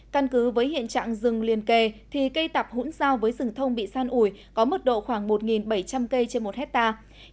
căn cứ với hiện trạng rừng liền kề thì cây tạp hỗn giao với rừng thông bị san ủi có mức độ khoảng một bảy trăm linh cây trên một hectare